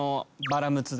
バラムツ。